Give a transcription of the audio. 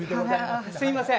すいません。